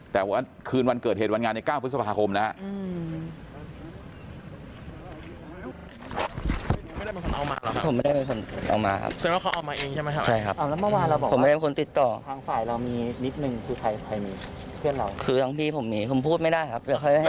แต่วันคืนวันเกิดเหตุวันงานใน๙พฤษภาคมนะครับ